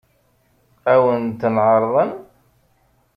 Ad wen-ten-ɛeṛḍen?